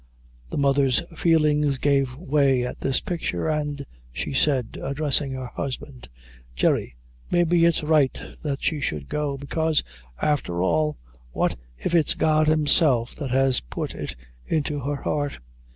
The mother's feelings gave way at this picture; and she said, addressing her husband "Jerry, maybe it's right that she should go, bekaise, afther all, what if it's God Himself that has put it into her heart?"